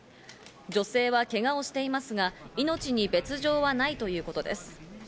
女性はけがをしていますが、命に別条はないということです。